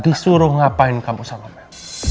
disuruh ngapain kamu sama mel